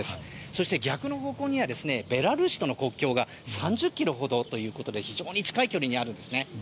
そして、逆の方向にはベラルーシとの国境が３０ｋｍほどということで非常に近い距離にあるんですね。